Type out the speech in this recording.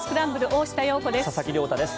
大下容子です。